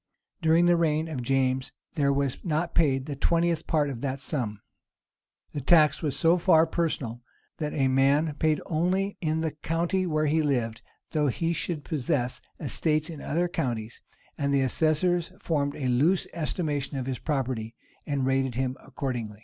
During the reign of James, there was not paid the twentieth part of that sum. The tax was so far personal, that a man paid only in the county where he lived, though he should possess estates in other counties; and the assessors formed a loose estimation of his property, and rated him accordingly.